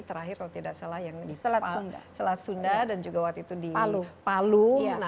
terakhir kalau tidak salah yang di selat sunda dan juga waktu itu di palu